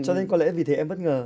cho nên có lẽ vì thế em bất ngờ